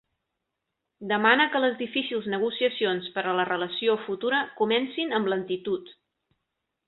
Demana que les difícils negociacions per a la relació futura comencin amb lentitud.